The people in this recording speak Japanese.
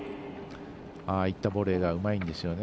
ああいったボレーがうまいんですよね。